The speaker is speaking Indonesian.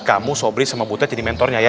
kamu sobri sama butet jadi mentornya ya